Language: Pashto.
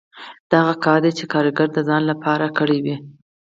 دا هغه کار دی چې کارګر د ځان لپاره کړی وي